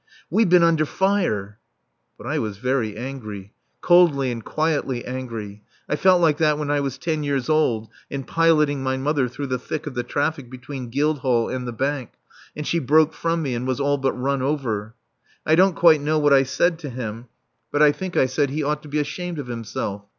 "We've been under fire!" But I was very angry. Coldly and quietly angry. I felt like that when I was ten years old and piloting my mother through the thick of the traffic between Guildhall and the Bank, and she broke from me and was all but run over. I don't quite know what I said to him, but I think I said he ought to be ashamed of himself.